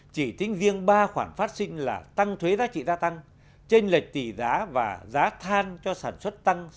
chỉ tính riêng ba khoản phát sinh là tăng thuế giá trị gia tăng trên lệch tỷ giá và giá than cho sản xuất tăng sáu trăm hai mươi tỷ đồng